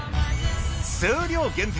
数量限定